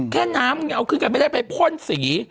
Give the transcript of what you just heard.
แค่น้ำยังเอาขึ้นกันไม่ได้ไปพ่นสี